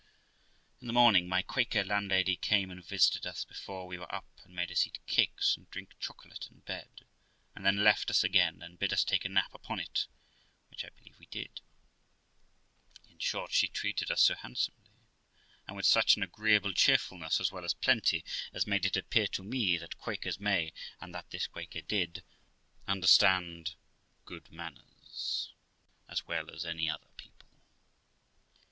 In the morning, my Quaker landlady came and visited us before we were up, and made us eat cakes and drink chocolate in bed; and then left us again, and bid us take a nap upon it, which I believe we did. In short, she treated us so handsomely, and with such an agreeable cheerfulness, as well as plenty, as made it appear to me that Quakers may, and that this Quaker did, understand good manners as well as any other people.